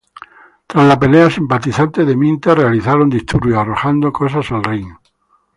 Tras la pelea simpatizantes de Minter realizaron disturbios, arrojando cosas al ring.